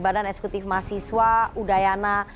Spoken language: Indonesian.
badan eksekutif mahasiswa udayana